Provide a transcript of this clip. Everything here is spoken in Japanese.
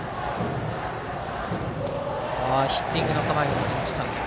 ヒッティングの構えをしました。